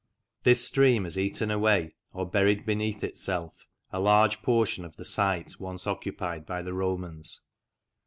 This stream has eaten away, or buried beneath itself, a large portion of the site once occupied by the Romans.